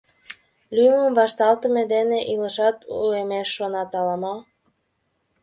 Лӱмым вашталтыме дене илышат уэмеш шонат ала-мо?